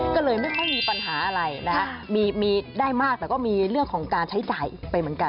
ก็เลยไม่ค่อยมีปัญหาอะไรนะคะมีได้มากแต่ก็มีเรื่องของการใช้จ่ายไปเหมือนกัน